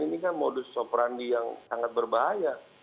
ini kan modus operandi yang sangat berbahaya